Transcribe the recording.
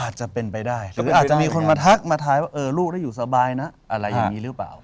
อาจจะเป็นไปได้หรืออาจจะมีคนมาทักมาท้ายว่าลูกได้อยู่สบายนะอะไรอย่างนี้หรือเปล่า